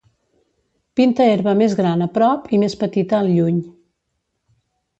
pinta herba més gran a prop i més petita al lluny